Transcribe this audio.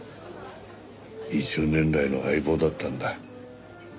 ２０年来の相棒だったんだ。